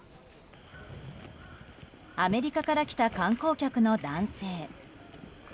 アメリカから来た観光客の男性。